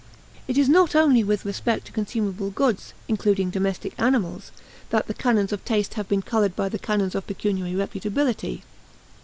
It is not only with respect to consumable goods including domestic animals that the canons of taste have been colored by the canons of pecuniary reputability.